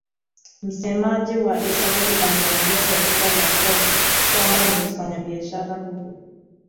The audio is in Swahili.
Msemaji wa Isabel aliambia jarida la Forbes kwamba ni mfanyabiashara huru